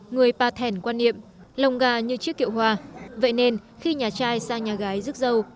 người pa thèn quan niệm lồng gà như chiếc kiệu hoa vậy nên khi nhà trai sang nhà gái rước dâu